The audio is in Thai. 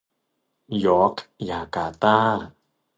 ยอร์คยาการ์ต้า